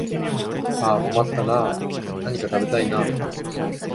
ああ困ったなあ、何か食べたいなあ